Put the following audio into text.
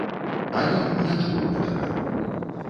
А ён не чуў гэтага.